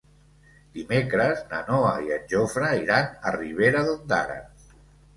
Dimecres na Noa i en Jofre iran a Ribera d'Ondara.